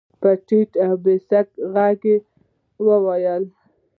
په ټيټ او بې سېکه غږ يې وويل.